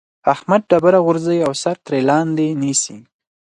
احمد ډبره غورځوي او سر ترې لاندې نيسي.